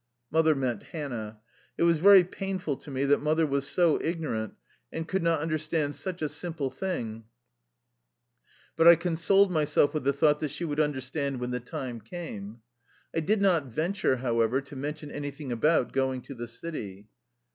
Mother meant Hannah. It was very painful to me that mother was so ignorant and could not 29 THE LIFE STORY OF A RUSSIAN EXILE understand such a simple thing, but I consoled myself with the thought that she would under stand when the time came. I did not venture, however, to mention anything about going to the city.